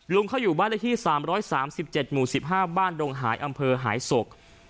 เขาอยู่บ้านเลขที่๓๓๗หมู่๑๕บ้านดงหายอำเภอหายศก